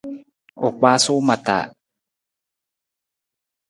U kpaasu ma taa.